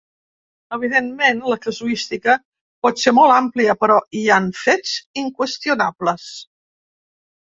Evidentment, la casuística pot ser molt àmplia, però hi han fets inqüestionables.